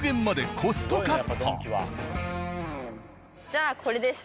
じゃあこれです。